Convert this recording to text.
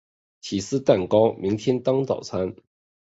起司蛋糕明天当早餐